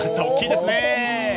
大きいですね。